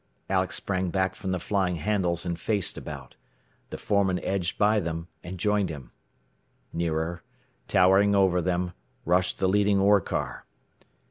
Alex sprang back from the flying handles, and faced about. The foreman edged by them, and joined him. Nearer, towering over them, rushed the leading ore car.